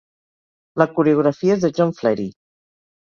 La coreografia és de John Flery.